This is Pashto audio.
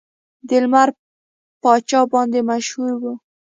د لمر پاچا باندې مشهور و.